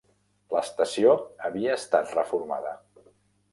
L'estació havia estat reformada.